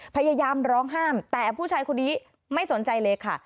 พยายามร้องห้ามแต่ผู้ชายคนนี้ไม่สนใจเลยค่ะ